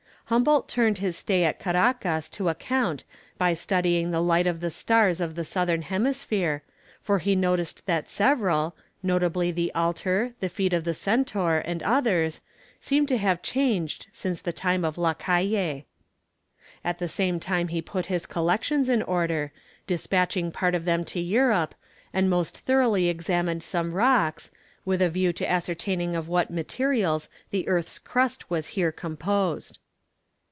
Humboldt turned his stay at Caracas to account by studying the light of the stars of the southern hemisphere, for he had noticed that several, notably the Altar, the Feet of the Centaur, and others, seemed to have changed since the time of La Caille. At the same time he put his collections in order, despatching part of them to Europe, and most thoroughly examined some rocks, with a view to ascertaining of what materials the earth's crust was here composed.